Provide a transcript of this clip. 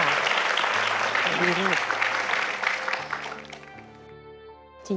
สวัสดีครับ